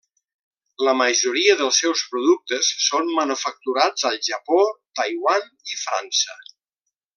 La majoria dels seus productes són manufacturats al Japó, Taiwan i França.